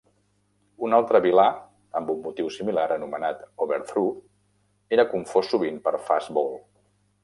Un altre vilà amb un motiu similar, anomenat Overthrow, era confós sovint per Fastball.